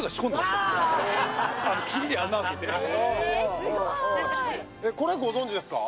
すごいこれご存じですか？